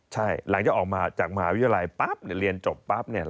ใช่หลังจากออกมาจากมหาวิทยาลัยปั๊บเรียนจบปั๊บ